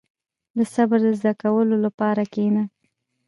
• د صبر د زده کولو لپاره کښېنه.